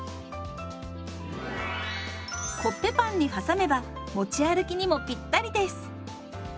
コッペパンにはさめば持ち歩きにもぴったりです！